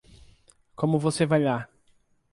Como você vai lá?